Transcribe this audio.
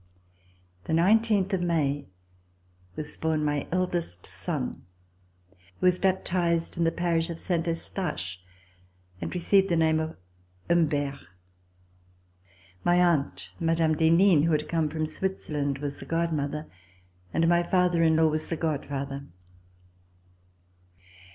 The nineteenth of May was born my eldest son, who was baptised in the Parish of Saint Eustache and received the name of Humbert. My aunt, Mme. d'Henin, who had come from Switzerland, was the godmother, and my father in law was the godfather.